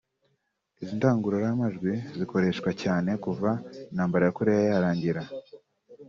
Izi ndangururamajwi zikoreshwa cyane kuva intambara ya Korea yarangira